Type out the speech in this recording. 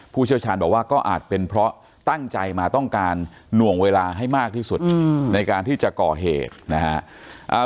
เชี่ยวชาญบอกว่าก็อาจเป็นเพราะตั้งใจมาต้องการหน่วงเวลาให้มากที่สุดในการที่จะก่อเหตุนะฮะ